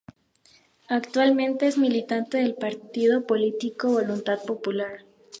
Actualmente es militante del partido político Voluntad Popular.